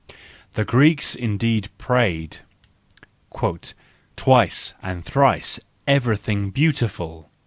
The Greeks indeed prayed: "Twice and thrice, everything beautiful!"